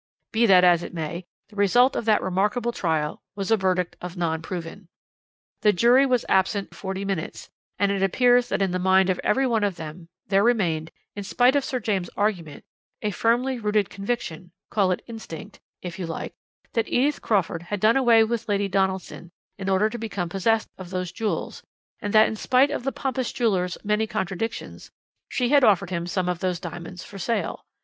"Be that as it may, the result of that remarkable trial was a verdict of 'Non Proven.' The jury was absent forty minutes, and it appears that in the mind of every one of them there remained, in spite of Sir James' arguments, a firmly rooted conviction call it instinct, if you like that Edith Crawford had done away with Lady Donaldson in order to become possessed of those jewels, and that in spite of the pompous jeweller's many contradictions, she had offered him some of those diamonds for sale.